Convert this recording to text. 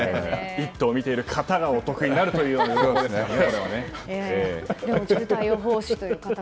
「イット！」を見ている方がお得になるという情報ですね。